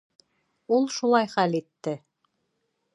Ул шулай хәл итте.